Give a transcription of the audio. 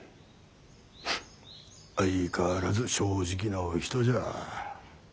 相変わらず正直なお人じゃ。